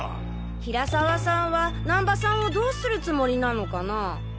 平沢さんは難波さんをどうするつもりなのかな？